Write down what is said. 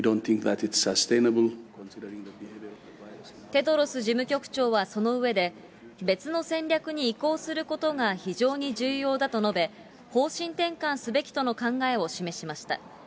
テドロス事務局長はその上で、別の戦略に移行することが非常に重要だと述べ、方針転換すべきとの考えを示しました。